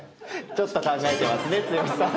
ちょっと考えてますね剛さん。